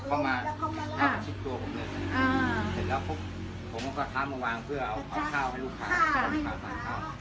เข้ามาชิดตัวผมเลยอ่าเสร็จแล้วปุ๊บผมก็ข้ามมาวางเพื่อเอาข้าวให้ลูกค้า